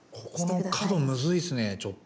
ここの角むずいっすねちょっと。